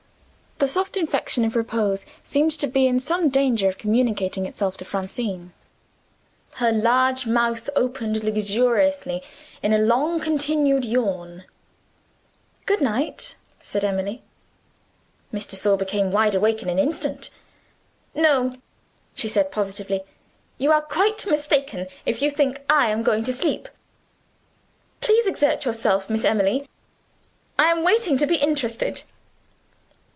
The soft infection of repose seemed to be in some danger of communicating itself to Francine. Her large mouth opened luxuriously in a long continued yawn. "Good night!" said Emily. Miss de Sor became wide awake in an instant. "No," she said positively; "you are quite mistaken if you think I am going to sleep. Please exert yourself, Miss Emily I am waiting to be interested."